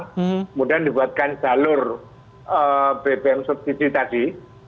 kemudian dibuatkan jalur bbm subsidi tadi